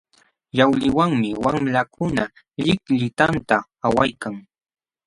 Yawliwanmi wamlakuna llikllitanta awaykan.